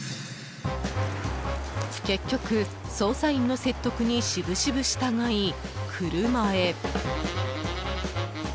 結局、捜査員の説得にしぶしぶ従い車へ。